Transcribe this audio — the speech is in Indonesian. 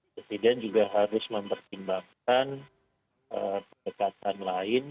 presiden juga harus mempertimbangkan pendekatan lain